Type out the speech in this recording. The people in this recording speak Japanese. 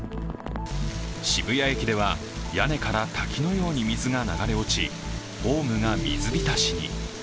渋谷駅では屋根から滝のように水が流れ落ち、ホームが水浸しに。